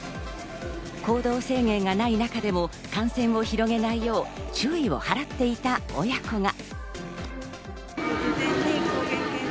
行動制限がない中でも感染を広げないよう注意を払っていた親子が。